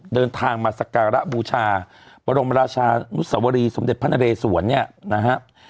เดินทางมาสการะบูชาบรมราชานุสวรีสมเด็จพระนเรศวรเนี่ยนะครับ